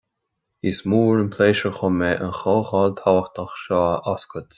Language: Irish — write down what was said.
Is mór an pléisiúir dom é an chomhdháil tábhachtach seo a oscailt